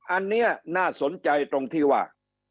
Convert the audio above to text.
อันนี้น่าสนใจตรงที่ว่า